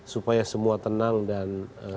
supaya semua tenang dan